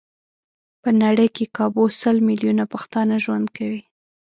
په نړۍ کې کابو سل ميليونه پښتانه ژوند کوي.